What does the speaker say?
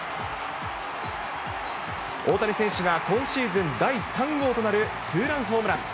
大谷選手が今シーズン第３号となるツーランホームラン。